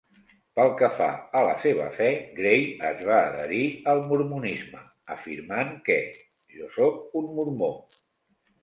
Pel que fa a la seva fe, Gray es va adherir al mormonisme afirmant que, jo sóc un mormó.